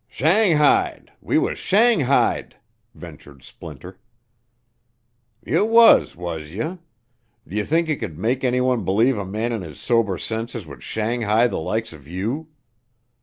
"Shanghaied we was shanghaied," ventured Splinter. "You was, was ye? D' ye think ye could make anyone b'lieve a man in his sober senses would shanghai the likes of you?